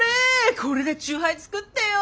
これでチューハイ作ってよ。